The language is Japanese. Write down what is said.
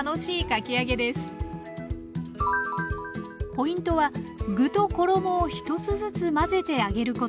ポイントは具と衣を１つずつ混ぜて揚げること。